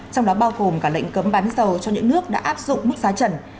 trong đó bao gồm cả lệnh cấm bán dầu cho những nước đã áp dụng mức giá trần